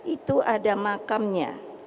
itu ada makamnya